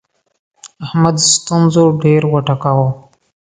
احمد ستونزو ډېر وټکاوو.